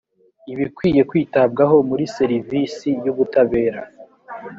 ibikwiye kwitabwaho muri serivisi y ubutabera